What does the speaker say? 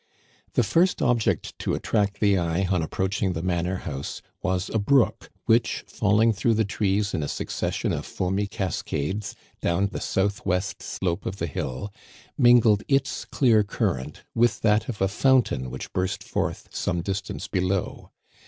The first object to attract the eye on approaching the manor house was a brook, which, falling through the trees in a succession of foamy cascaded down the south west slope of the hill, mingled its clear current with that of a fountain which burst forth some distance below.